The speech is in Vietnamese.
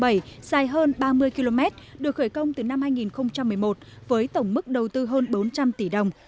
dự án cải tạo nâng cấp tỉnh lộ hai trăm linh bảy dài hơn ba mươi km được khởi công từ năm hai nghìn một mươi một với tổng mức đầu tư hơn bốn trăm linh tỷ đồng